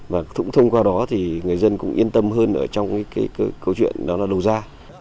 và cũng thông qua đó thì người dân cũng yên tâm hơn ở trong cái câu chuyện đó là đầu ra